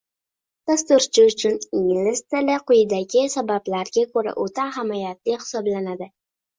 Dasturchi uchun ingliz tili quyidagi sabablarga ko’ra o’ta ahamiyatli hisoblanadi